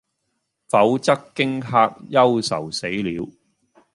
否則驚嚇憂愁死了，